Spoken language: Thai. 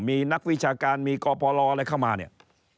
มีนักวิชาการมีกพลอะไรเข้ามาเนี่ย